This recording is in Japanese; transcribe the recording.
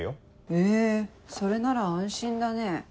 へぇそれなら安心だね。